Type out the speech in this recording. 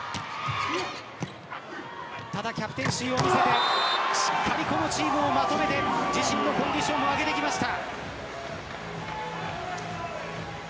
石川キャプテンシーを見せてこのチームをまとめて自身のコンディションを上げてきました。